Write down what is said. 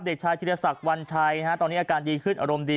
เด็กชายธิรษักวันชัยตอนนี้อาการดีขึ้นอารมณ์ดี